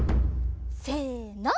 せの。